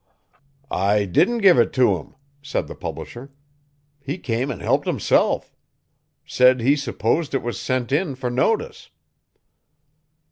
'I didn't give it to him,' said the publisher. 'He came and helped himself. Said he supposed it was sent in for notice.